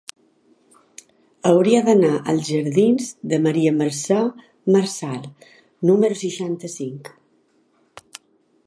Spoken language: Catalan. Hauria d'anar als jardins de Maria Mercè Marçal número seixanta-cinc.